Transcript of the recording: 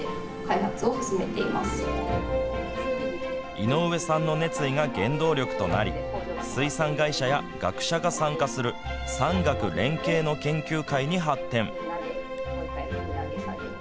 井上さんの熱意が原動力となり水産会社や学者が参加する産学連携の研究会に発展。